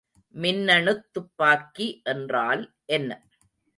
மின்னணுத் துப்பாக்கி என்றால் என்ன?